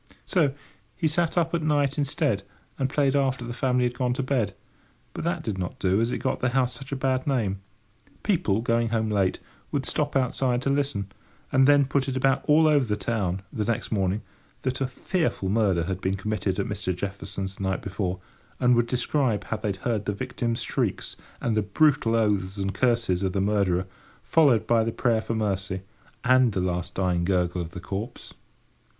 So he sat up at night instead, and played after the family had gone to bed, but that did not do, as it got the house such a bad name. People, going home late, would stop outside to listen, and then put it about all over the town, the next morning, that a fearful murder had been committed at Mr. Jefferson's the night before; and would describe how they had heard the victim's shrieks and the brutal oaths and curses of the murderer, followed by the prayer for mercy, and the last dying gurgle of the corpse.